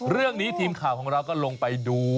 เรื่องนี้ทีมข่าวของเราก็ลงไปดู